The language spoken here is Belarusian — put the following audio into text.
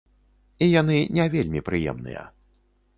І яны не вельмі прыемныя.